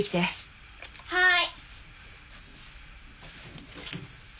はい！